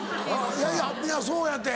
いやいや皆そうやて。